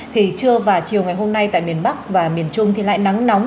thì trưa và chiều ngày hôm nay tại miền bắc và miền trung thì lại nắng nóng